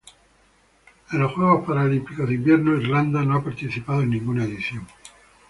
En los Juegos Paralímpicos de Invierno Irlanda no ha participado en ninguna edición.